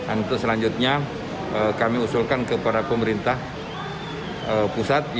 untuk selanjutnya kami usulkan kepada pemerintah pusat